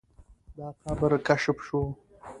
دا قبر کشف شو.